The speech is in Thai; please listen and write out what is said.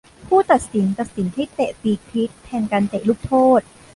ผู้ตัดสินตัดสินให้เตะฟรีคิกแทนการเตะลูกโทษ